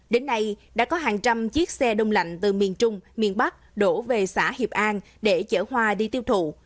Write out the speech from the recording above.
đến nay đã có hàng trăm chiếc xe đông lạnh từ miền trung miền bắc đổ về xã hiệp an để chở hoa đi tiêu thụ